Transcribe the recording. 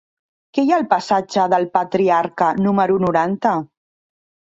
Què hi ha al passatge del Patriarca número noranta?